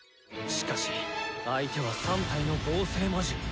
しかし相手は３体の合成魔獣。